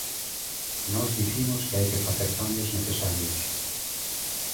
Nós dicimos que hai que facer cambios necesarios.